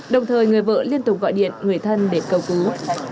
đồng thời người vợ liên tục gọi điện người thân để cầu cứu